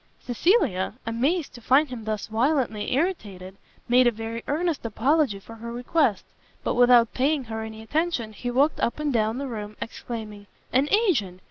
Cecilia, amazed to find him thus violently irritated, made a very earnest apology for her request; but without paying her any attention, he walked up and down the room, exclaiming, "an agent!